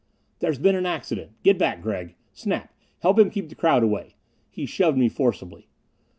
"There's been an accident! Get back, Gregg! Snap, help him keep the crowd away." He shoved me forcibly.